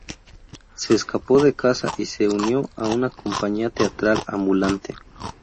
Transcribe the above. Se escapó de casa y se unió a una compañía teatral ambulante.